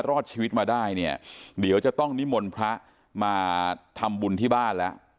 รอดชีวิตมาได้เนี่ยเดี๋ยวจะต้องนิมนต์พระมาทำบุญที่บ้านแล้ว